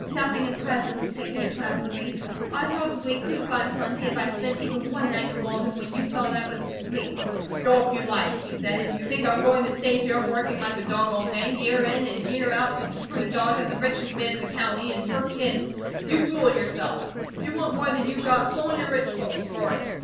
"Nothing at present," said Kate placidly. "I probably could find plenty, if I spent even one night in Walden when you thought I was asleep." "Go if you like," he said. "If you think I'm going to stay here, working like a dog all day, year in and year out, to support a daughter of the richest man in the county and her kids, you fool yourself. If you want more than you got, call on your rich folks for it.